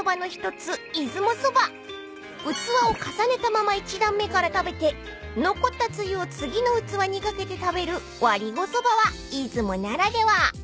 ［器を重ねたまま１段目から食べて残ったつゆを次の器に掛けて食べる割子そばは出雲ならでは］